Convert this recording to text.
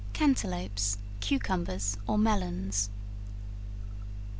Cantelopes, Cucumbers, or Melons.